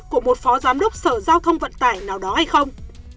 phỏ má của một phó giám đốc sở giao thông vận tải nào đó hay không